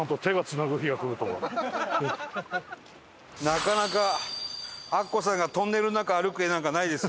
なかなかアッコさんがトンネルの中を歩く画なんかないですよ。